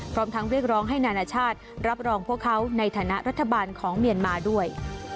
พร้อมทั้งเรียกร้องให้นานาชาติรับรองพวกเขาในฐานะรัฐบาลของเมียนมาด้วย